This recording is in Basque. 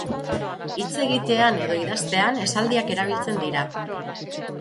Hitz egitean edo idaztean, esaldiak erabiltzen dira.